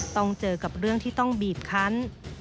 ต้องเจอกับเรื่องที่ต้องบีบคัน